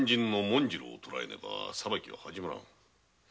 紋次郎を捕えねば裁きは始まらぬ。